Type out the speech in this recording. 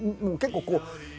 もう結構こう。